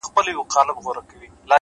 د بازار د تورو تیارو کوڅو خپل نظم وي.!